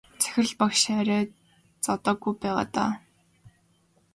Захирал багш арай зодоогүй байгаа даа.